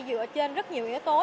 dựa trên rất nhiều yếu tố